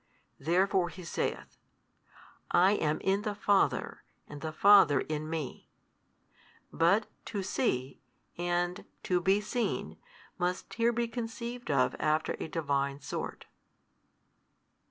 Therefore He saith, I am in the Father and, the Father in Me. But "to see" and "to be seen" must here be conceived of after a Divine sort.